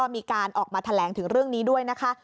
มีการออกมาแถลงถึงเรื่องนี้ด้วยนะคะ